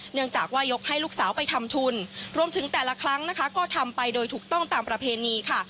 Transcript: เนื่องจากว่ายกให้ลูกสาวไปทำทุนรวมถึงแต่ละครั้งนะคะก็ทำไปโดยถูกต้องตามประเพณีค่ะ